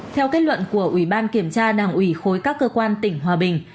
theo kết luận của ủy ban kiểm tra đảng ủy khối các cơ quan tỉnh hòa bình